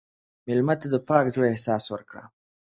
مېلمه ته د پاک زړه احساس ورکړه.